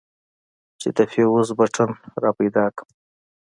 چې د فيوز بټن راپيدا کړم.